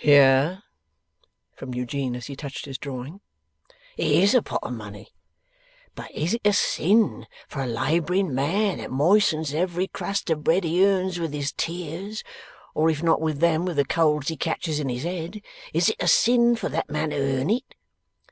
'Hear!' from Eugene as he touched his drawing. '"It is a pot of money; but is it a sin for a labouring man that moistens every crust of bread he earns, with his tears or if not with them, with the colds he catches in his head is it a sin for that man to earn it?